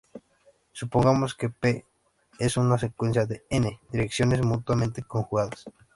Supongamos que {p} es una secuencia de "n" direcciones mutuamente conjugadas.